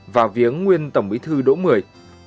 vào viếng nguyên tổng bí thư đỗ mười